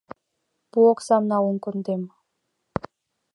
Пу оксам, налын кондем!